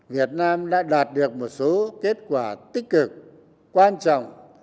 việt nam đã đạt được một số kết quả tích cực quan trọng